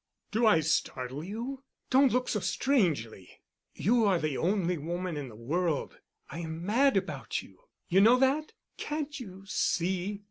"Do I startle you? Don't look so strangely. You are the only woman in the world. I am mad about you. You know that? Can't you see?